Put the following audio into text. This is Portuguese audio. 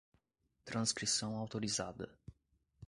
Transcrição autorizada